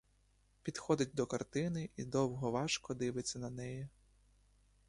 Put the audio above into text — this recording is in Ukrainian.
Підходить до картини і довго, важко дивиться на неї.